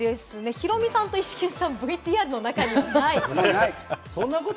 ヒロミさんとイシケンさんはＶＴＲの中にはないと。